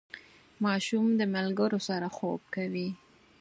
ماشوم د ملګرو سره خوب کوي.